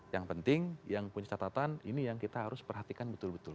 yang penting yang punya catatan ini yang kita harus perhatikan betul betul